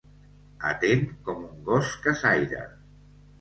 Atent com un gos caçaire.